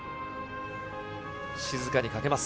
静かにかけます。